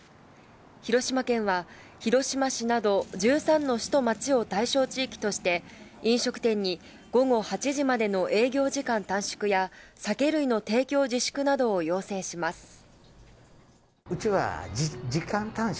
広島県は広島市など１３の市と街を対象地域として、飲食店に午後８時までの営業時間短縮や酒類の提供自粛などを要請します。